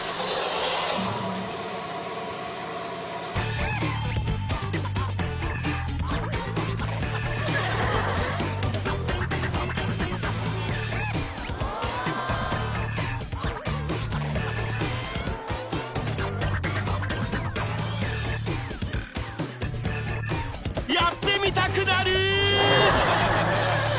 ［やってみたくなる！］